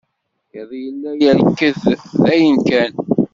Iḍ yella yerked dayen kan.